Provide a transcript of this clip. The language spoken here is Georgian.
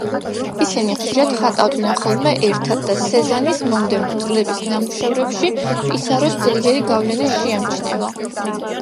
ისინი ხშირად ხატავდნენ ხოლმე ერთად და სეზანის მომდევნო წლების ნამუშევრებში პისაროს ძლიერი გავლენა შეიმჩნევა.